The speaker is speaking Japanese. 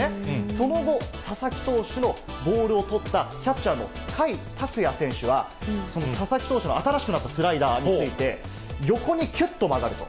その後、佐々木投手のボールを捕ったキャッチャーの甲斐拓也選手は、その佐々木投手の新しくなったスライダーについて、横にきゅっと曲がると。